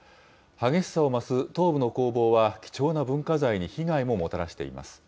激しさを増す東部の攻防は、貴重な文化財に被害ももたらしています。